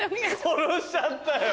殺しちゃったよ。